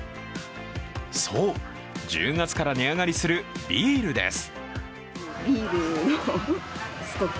そう、１０月から値上がりするビールです。